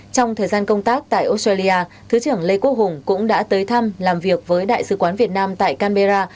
trong thời gian công tác tại australia thứ trưởng lê quốc hùng cũng đã tới thăm làm việc với đại sứ quán việt nam tại canberra